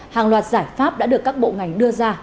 hàng loạt giải pháp đã được các bộ ngành đưa ra